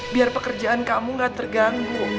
biar pekerjaan kamu gak terganggu